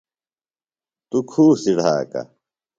توۡ کُھوسیۡ ڈھاکہ۔